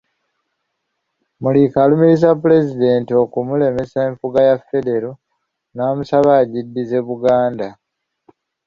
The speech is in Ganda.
Muliika alumiriza Pulezidenti okulemesa enfuga ya Federo namusaba agiddize Buganda.